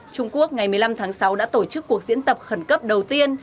trung quốc ngày một mươi năm tháng sáu đã tổ chức cuộc diễn tập khẩn cấp đầu tiên